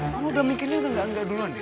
kamu belum bikin ini udah gak anggap duluan ya